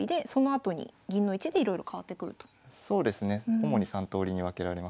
主に３とおりに分けられますね。